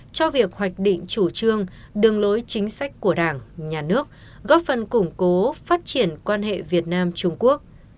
cho việc hoạch định chủ trương đường lối chính sách của đảng nhà nước góp phần củng cố phát triển quan hệ việt nam trung quốc